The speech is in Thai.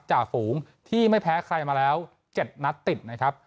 จ่าฝูงที่ไม่แพ้ใครมาแล้ว๗นัดติดนะครับ